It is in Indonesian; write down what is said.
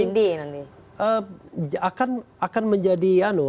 jadi itu pampindi nanti